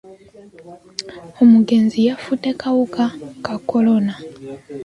Omugenzi yafudde kawuka ka kolona.